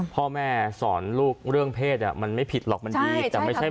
พ่อแม่สอนลูกเรื่องเพศมันไม่ผิดหรอกมันดีแต่ไม่ใช่